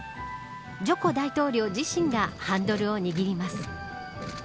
ジョコ大統領自身がハンドルを握ります。